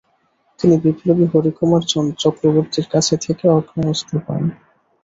তিনি বিপ্লবী হরিকুমার চক্রবর্তীর কাছ থেকে আগ্নেয়াস্ত্র পান।